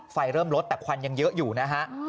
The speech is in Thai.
ไฟเริ่มลดแต่ควันยังเยอะอยู่นะฮะ